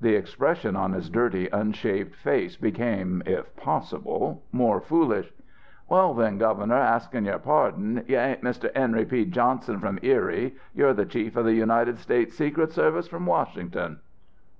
"The expression on his dirty unshaved face became, if possible, more foolish. "'Well, then, Governor, askin' your pardon, you ain't Mr. Henry P. Johnson, from Erie; you're the Chief of the United States Secret Service, from Washington.'"